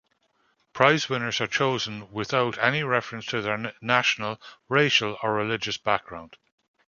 Prize winners are chosen without any reference to their national, racial or religious background.